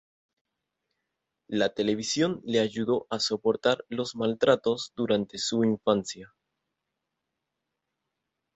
La television le ayudo a soportar los maltratos durante su infancia.